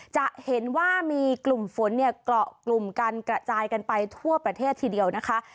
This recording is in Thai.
จะเห็นว่ามีกลุ่มฝนเนี่ยเกาะกลุ่มกันกระจายกันไปทั่วประเทศทีเดียวนะคะ